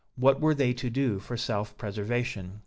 What were they to do for self preservation?